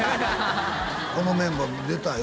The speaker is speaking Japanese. このメンバー出たよ